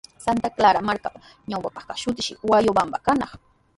Santa Clara markapa ñawpa kaq shutinshi Huayobamba kanaq.